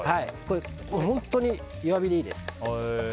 本当に弱火でいいです。